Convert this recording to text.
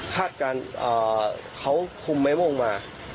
คาดการณ์เขาคุมไม้มงมา